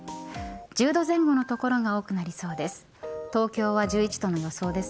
１０度前後の所が多くなりそうです。